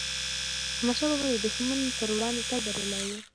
احمدشاه بابا د دښمن پر وړاندی تل بریالي و.